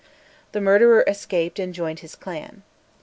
The murderer escaped and joined his clan.